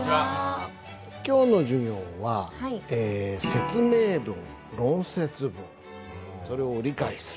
今日の授業は説明文・論説文それを理解する。